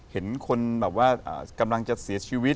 เห็นคนแบบว่ากำลังจะเสียชีวิต